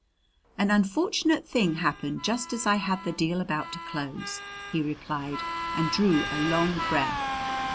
"An unfortunate thing happened just as I had the deal about to close," he replied, and drew a long breath.